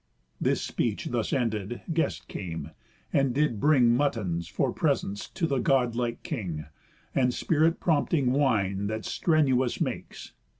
This speech thus ended, guests came, and did bring Muttons, for presents, to the God like king, And spirit prompting wine, that strenuous makes.